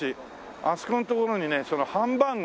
あそこの所にねそのハンバーグをね。